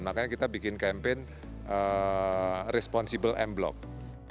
makanya kita bikin campaign responsible m block